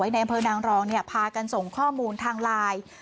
ไว้ในแมงเผลอนางรองเนี้ยพากันส่งข้อมูลทางลาย